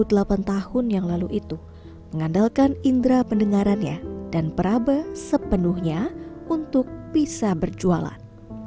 wanita kelahiran dua belas februari dua puluh delapan tahun yang lalu itu mengandalkan indera pendengarannya dan perabe sepenuhnya untuk bisa berjualan